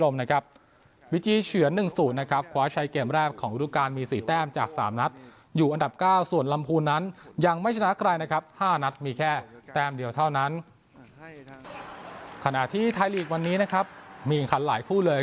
ขณะที่ไทยลีกวันนี้นะครับมีแข่งขันหลายคู่เลย